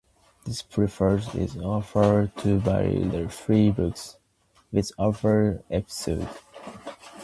This preface is followed by three books, interleaved with otherworldly episodes.